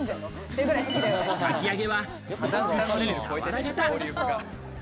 かき揚げは美しい俵型。